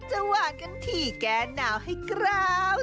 จะว่ากันที่แก่นาวให้กราว